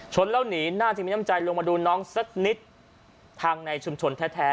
แล้วหนีน่าจะมีน้ำใจลงมาดูน้องสักนิดทางในชุมชนแท้